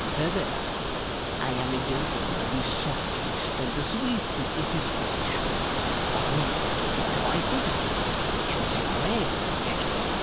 'Further, I am a gentleman of the softest and sweetest disposition, but who, if trifled with, becomes enraged.